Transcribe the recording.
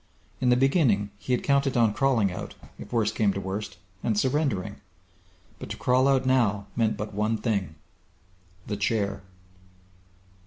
In the beginning he had counted on crawling out, if worst came to worst, and surrendering. But to crawl out now meant but one thing The Chair!